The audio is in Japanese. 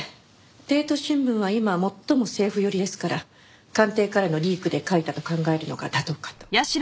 『帝都新聞』は今最も政府寄りですから官邸からのリークで書いたと考えるのが妥当かと。